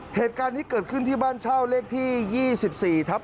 เหตุการณ์นี้เกิดขึ้นที่บ้านเช่าเลขที่๒๔ทับ